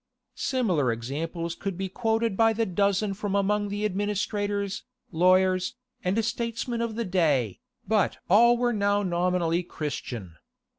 Similar examples could be quoted by the dozen from among the administrators, lawyers, and statesmen of the day, but all were now nominally Christian.